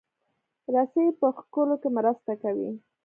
رسۍ په کښلو کې مرسته کوي.